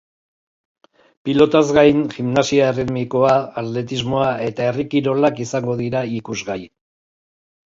Pilotaz gain, gimnasia erritmikoa, atletismoa eta herri kirolak izango dira ikusgai.